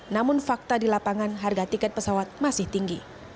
namun fakta di lapangan harga tiket pesawat masih tinggi